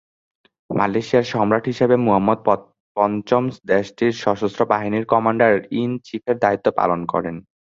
মালয়েশিয়ার সম্রাট হিসেবে মুহাম্মাদ পঞ্চম দেশটির সশস্ত্র বাহিনীর কমান্ডার ইন-চীফের দায়িত্ব পালন করেন।